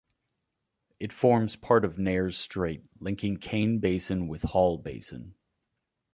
It forms part of Nares Strait, linking Kane Basin with Hall Basin.